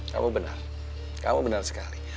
kamu benar kamu benar sekali